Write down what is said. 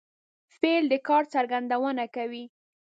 فعل د کار څرګندونه کوي.